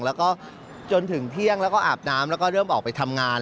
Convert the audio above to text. แล้วก็จนถึงเที่ยงแล้วก็อาบน้ำแล้วก็เริ่มออกไปทำงาน